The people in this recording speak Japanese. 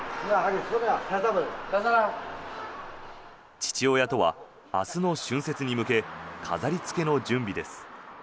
父親とは明日の春節に向け飾りつけの準備です。